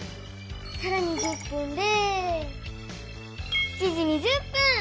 さらに１０分で７時２０分！